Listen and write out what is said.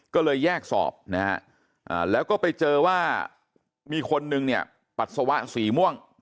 ก็เลยแยกสอบนะฮะแล้วก็ไปเจอว่ามีคนนึงเนี่ยปัสสาวะสีม่วง